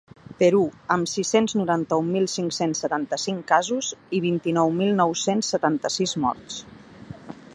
Perú, amb sis-cents noranta-un mil cinc-cents setanta-cinc casos i vint-i-nou mil nou-cents setanta-sis morts.